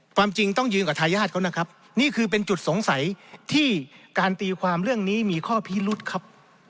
ความจริงต้องยืนกับทายาทเขานะครับนี่คือเป็นจุดสงสัยที่การตีความเรื่องนี้มีข้อพิรุษครับ